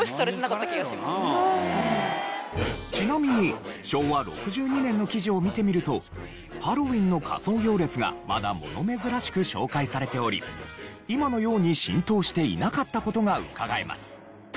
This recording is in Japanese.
ちなみに昭和６２年の記事を見てみるとハロウィンの仮装行列がまだ物珍しく紹介されており今のように浸透していなかった事がうかがえます。